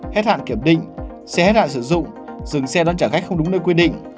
hết hạn kiểm định xe hết hạn sử dụng dừng xe đón trả khách không đúng nơi quy định